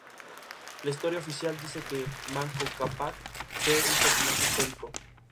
De tal modo Misiones, Bahía Blanca cuenta con orquesta estable y coro polifónico.